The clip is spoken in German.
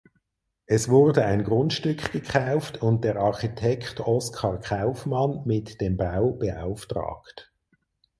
Es wurde ein Grundstück gekauft und der Architekt Oskar Kaufmann mit dem Bau beauftragt.